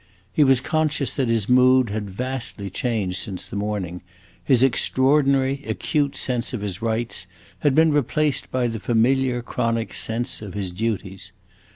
He was conscious that his mood had vastly changed since the morning; his extraordinary, acute sense of his rights had been replaced by the familiar, chronic sense of his duties.